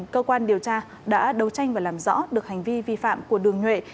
cơ quan điều tra đã đấu tranh và làm rõ được hành vi vi phạm của đường nhuệ